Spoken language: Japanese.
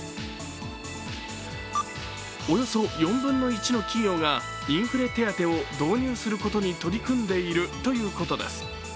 およそ４分の１の企業がインフレ手当を導入することに取り組んでいるということです。